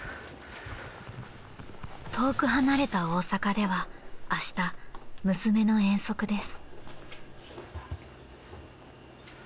［遠く離れた大阪ではあした娘の遠足です］